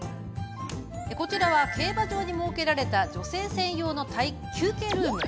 こちらは、競馬場に設けられた女性専用の休憩ルーム。